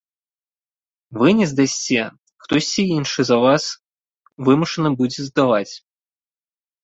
Вы не здасце, хтосьці іншы за вас вымушаны будзе здаваць.